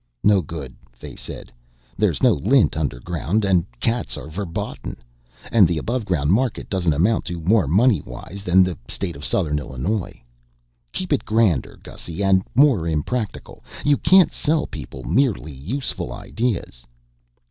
"No good," Fay said. "There's no lint underground and cats are verboten. And the aboveground market doesn't amount to more moneywise than the state of Southern Illinois. Keep it grander, Gussy, and more impractical you can't sell people merely useful ideas."